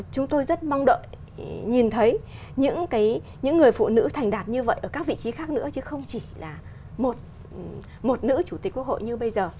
chúng tôi rất mong đợi nhìn thấy những người phụ nữ thành đạt như vậy ở các vị trí khác nữa chứ không chỉ là một nữ chủ tịch quốc hội như bây giờ